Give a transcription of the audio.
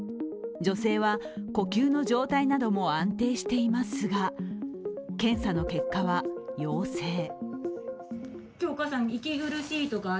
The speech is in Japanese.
女性は呼吸の状態なども安定していますが検査の結果は陽性。